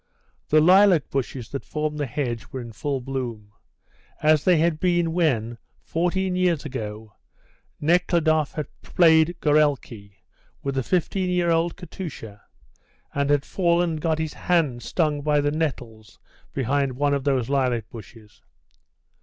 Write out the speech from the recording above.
The lilac bushes that formed the hedge were in full bloom, as they had been when, 14 years ago, Nekhludoff had played gorelki with the 15 year old Katusha, and had fallen and got his hand stung by the nettles behind one of those lilac bushes.